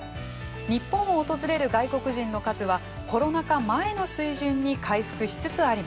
日本を訪れる外国人の数はコロナ禍前の水準に回復しつつあります。